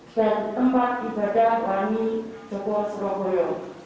dan tempat ibadah wani jogosopoyo